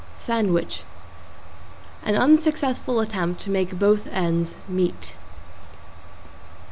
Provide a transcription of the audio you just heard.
=SANDWICH= An unsuccessful attempt to make both ends meat.